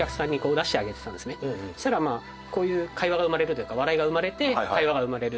そしたらこういう会話が生まれるというか笑いが生まれて会話が生まれる。